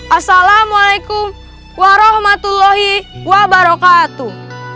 assalamualaikum warahmatullahi wabarakatuh